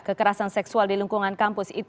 kekerasan seksual di lingkungan kampus